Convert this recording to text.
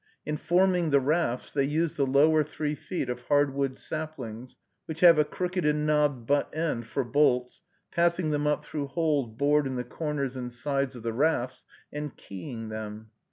In forming the rafts, they use the lower three feet of hard wood saplings, which have a crooked and knobbed butt end, for bolts, passing them up through holes bored in the corners and sides of the rafts, and keying them.